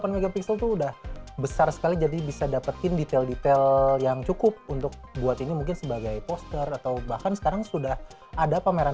delapan mp itu udah besar sekali jadi bisa dapetin detail detail yang cukup untuk buat ini mungkin sebagai poster atau bahkan sekarang sudah ada pameran